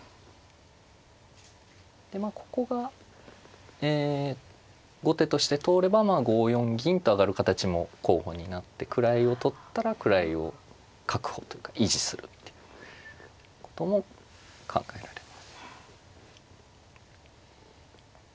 でまあここがえ後手として通れば５四銀と上がる形も候補になって位を取ったら位を確保というか維持するっていうことも考えられます。